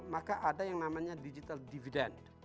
maka ada yang namanya digital dividend